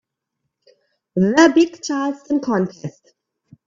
The big Charleston contest.